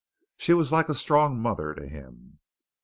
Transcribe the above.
She was like a strong mother to him.